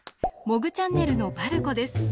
モグチャンネルのばるこです。